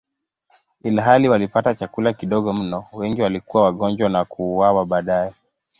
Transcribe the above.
Ilhali walipata chakula kidogo mno, wengi walikuwa wagonjwa na kuuawa baadaye.